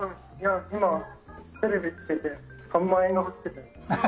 今、テレビつけて３万円が欲しくて。